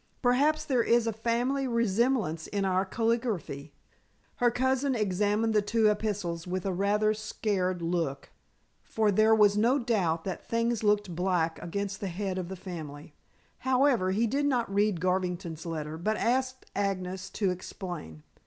Perhaps there is a family resemblance in our caligraphy." Her cousin examined the two epistles with a rather scared look, for there was no doubt that things looked black against the head of the family. However, he did not read Garvington's letter, but asked Agnes to explain.